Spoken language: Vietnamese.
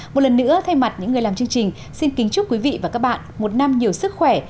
một lần nữa thay mặt những người làm chương trình xin kính chúc quý vị và các bạn một năm nhiều sức khỏe